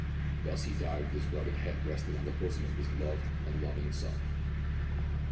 Thus he died with his rugged head resting on the bosom of his loved and loving son.